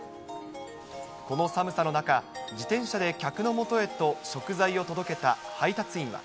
この寒さの中、自転車で客のもとへと食材を届けた配達員は。